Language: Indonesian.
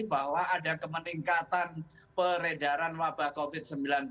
bahwa ada kemeningkatan peredaran wabah covid sembilan belas